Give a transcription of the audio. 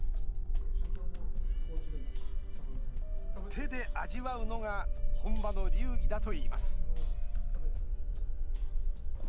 手で味わうのが本場の流儀だといいます